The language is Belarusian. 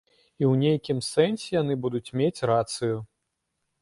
І ў нейкім сэнсе яны будуць мець рацыю.